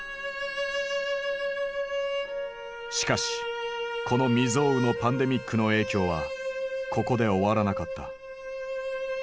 しかしこの未曽有のパンデミックの影響はここで終わらなかった。